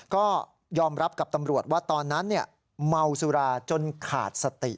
ก็ยอมรับกับตำรวจว่าตอนนั้นเมาสุราจนขาดสติ